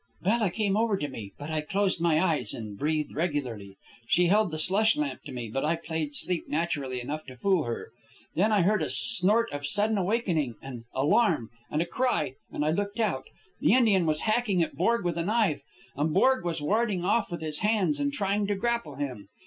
"Bella came over to me, but I closed my eyes and breathed regularly. She held the slush lamp to me, but I played sleep naturally enough to fool her. Then I heard a snort of sudden awakening and alarm, and a cry, and I looked out. The Indian was hacking at Borg with a knife, and Borg was warding off with his arms and trying to grapple him.